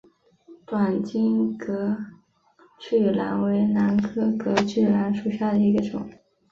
短茎隔距兰为兰科隔距兰属下的一个种。